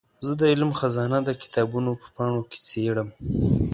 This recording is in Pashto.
زه د علم خزانه د کتابونو په پاڼو کې څېړم.